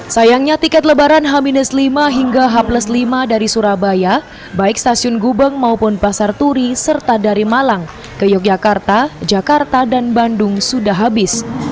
sayangnya tiket lebaran h lima hingga h lima dari surabaya baik stasiun gubeng maupun pasar turi serta dari malang ke yogyakarta jakarta dan bandung sudah habis